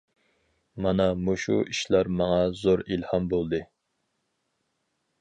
مانا مۇشۇ ئىشلار ماڭا زور ئىلھام بولدى.